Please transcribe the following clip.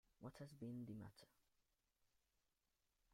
What has been the matter?